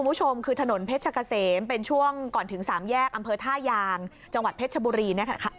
คุณผู้ชมคือถนนเพชรกะเสมเป็นช่วงก่อนถึงสามแยกอำเภอท่ายางจังหวัดเพชรชบุรีนะคะ